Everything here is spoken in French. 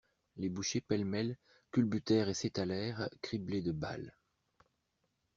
Les bouchers, pêle-mêle, culbutèrent et s'étalèrent, criblés de balles.